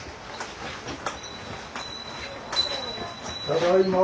ただいま。